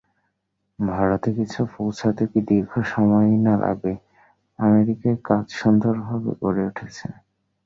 ভারতে কিছু পৌঁছাতে কি দীর্ঘ সময়ই না লাগে! আমেরিকায় কাজ সুন্দরভাবে গড়ে উঠছে।